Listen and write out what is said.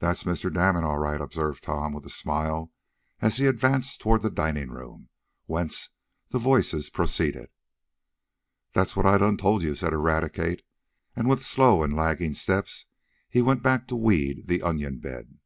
"That's Mr. Damon all right," observed Tom, with a smile, as he advanced toward the dining room, whence the voices proceeded. "Dat's what I done tole you!" said Eradicate, and, with slow and lagging steps he went back to weed the onion bed.